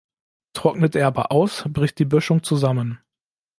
Trocknet er aber aus, bricht die Böschung zusammen.